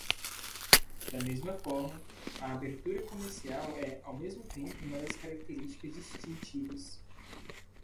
Da mesma forma, a abertura comercial é ao mesmo tempo uma das características distintivas.